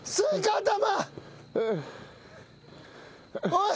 おい。